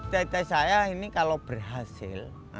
tete saya ini kalau berhasil